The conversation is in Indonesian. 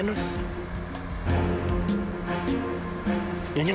member german g wygl